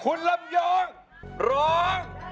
คุณลำยองร้อง